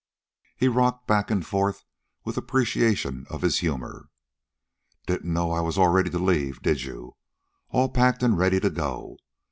He rocked back and forth with appreciation of his humor. "Didn't know I was all ready to leave, did you? All packed and ready to go.